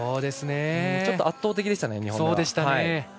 ちょっと、圧倒的でしたね。